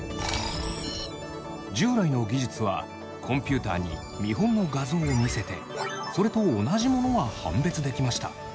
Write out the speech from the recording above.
従来の技術はコンピューターに見本の画像を見せてそれと同じものは判別できました。